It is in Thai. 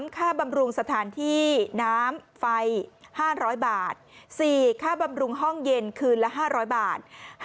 ค่าบำรุงสถานที่น้ำไฟ๕๐๐บาท๔ค่าบำรุงห้องเย็นคืนละ๕๐๐บาท